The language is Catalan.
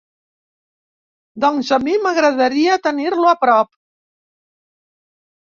Doncs a mi m'agradaria tenir-lo a prop.